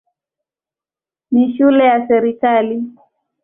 Ni shule ya serikali.